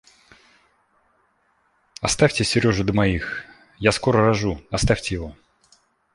Оставьте Сережу до моих... Я скоро рожу, оставьте его!